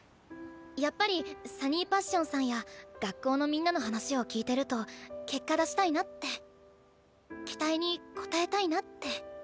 やっぱりＳｕｎｎｙＰａｓｓｉｏｎさんや学校のみんなの話を聞いてると結果出したいなって期待に応えたいなって。